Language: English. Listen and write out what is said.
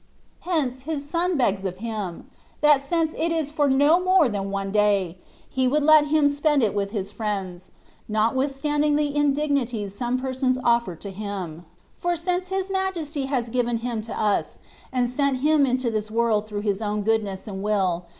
Hence, His Son begs of Him, that since it is for no more than one day. He would let Him spend it with His friends, not withstanding the indignities some persons offer to Him ; for since His Majesty has given Him to us, and sent Him into this world through His own goodness and will.